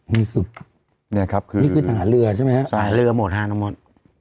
นี่คือนี่คือทหารเรือใช่ไหมครับทหารเรือหมดทหารหมด